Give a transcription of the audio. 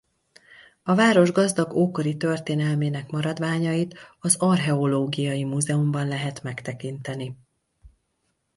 A város gazdag ókori történelmének maradványait az Archeológiai múzeumban lehet megtekinteni.